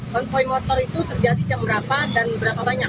konvoy motor itu terjadi jam berapa dan berapa banyak